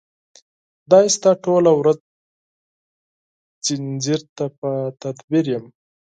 خدای شته ټوله ورځ ځنځیر ته په تدبیر یم